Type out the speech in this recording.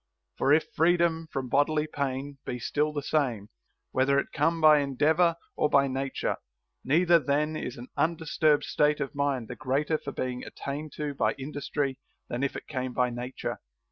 For if freedom from bodily pain be still the same, whether it come by endeavor or by nature, neither then is an undisturbed state of mind the greater for being attained to by industry than if it came by nature.